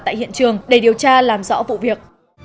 tại hiện trường để điều tra làm rõ vụ việc